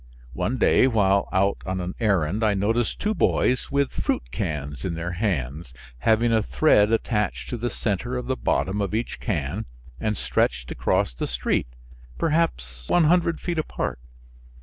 One day while out on an errand I noticed two boys with fruit cans in their hands having a thread attached to the center of the bottom of each can and stretched across the street, perhaps 100 feet apart.